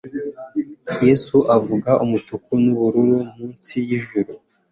Yesu avuga umutuku nubururu munsi yijuru